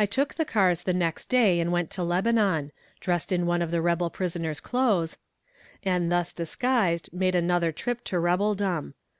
I took the cars the next day and went to Lebanon dressed in one of the rebel prisoner's clothes and thus disguised, made another trip to rebeldom.